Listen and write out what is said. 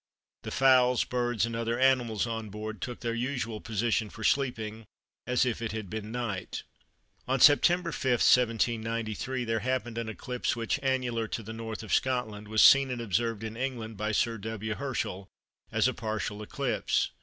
The fowls, birds, and other animals on board took their usual position for sleeping, as if it had been night." On Sept. 5, 1793, there happened an eclipse which, annular to the N. of Scotland, was seen and observed in England by Sir W. Herschel as a partial eclipse.